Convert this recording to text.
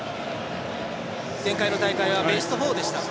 前回の大会はベスト４でした。